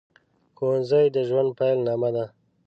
ښوونځي د ژوند پیل نامه ده